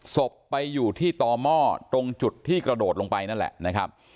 ศพไปอยู่ที่ต่อหม้อตรงจุดที่กระโดดลงไปนั่นแหละนะครับ